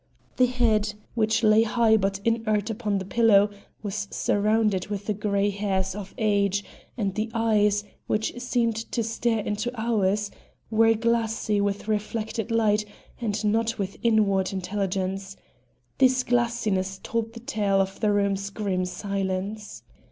The head, which lay high but inert upon the pillow, was surrounded with the gray hairs of age, and the eyes, which seemed to stare into ours, were glassy with reflected light and not with inward intelligence. This glassiness told the tale of the room's grim silence.